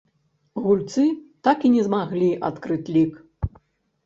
Гульцы так і не змаглі адкрыць лік.